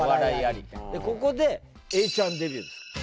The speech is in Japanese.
ここで永ちゃんデビューです。